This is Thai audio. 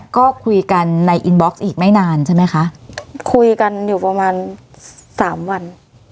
ก็คุยกันในอินบ็อกซ์อีกไม่นานใช่ไหมคะคุยกันอยู่ประมาณสามวัน